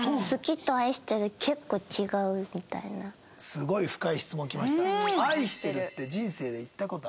すごい深い質問きました。